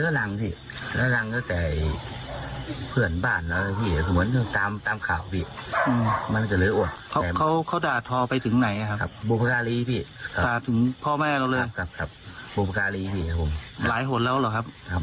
หน้าแก่ตรงโล่นแรกสิครับผม